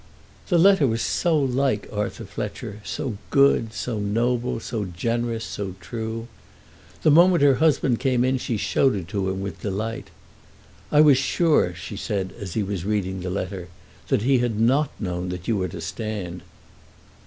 The letter was so like Arthur Fletcher, so good, so noble, so generous, so true! The moment her husband came in she showed it to him with delight. "I was sure," she said as he was reading the letter, "that he had not known that you were to stand."